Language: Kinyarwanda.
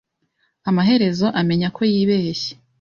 Amaherezo amenya ko yibeshye.